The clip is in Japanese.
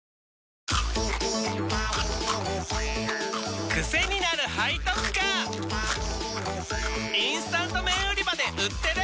チキンかじり虫インスタント麺売り場で売ってる！